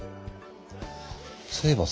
そういえばさ。